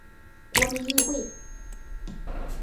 国民议会。